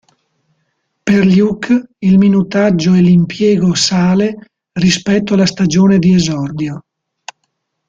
Per Luke, il minutaggio e l'impiego sale rispetto alla stagione di esordio.